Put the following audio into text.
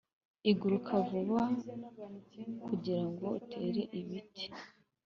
iguruka vuba kugirango utere ibiti.